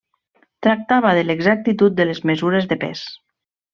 Tractava de l'exactitud de les mesures de pes.